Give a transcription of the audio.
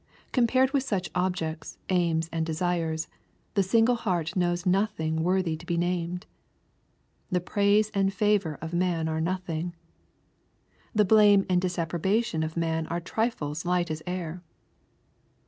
Compared with such objects, aims, and desires, the single heart knows nothing worthy to be named. The praise and favor of man are nothing. The blame and disapprobation of man are trifles light as air.